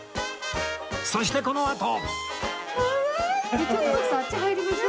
そしてこのあと